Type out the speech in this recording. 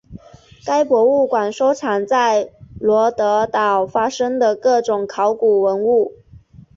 该博物馆收藏在罗得岛发现的各种考古文物。